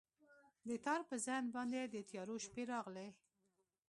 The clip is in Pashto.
د تار په ذهن باندې، د تیارو شپې راغلي